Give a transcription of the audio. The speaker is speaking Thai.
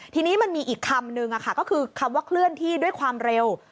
ทีนี้มันมีอีกคำนึงก็คือคำว่าเคลื่อนที่ด้วยความเร็ว